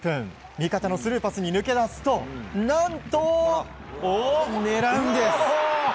味方のスルーパスに抜け出すと何と、狙うんです。